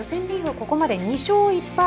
ここまで２勝１敗。